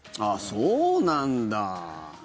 そうなんだ。